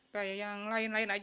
kayak yang lain lain aja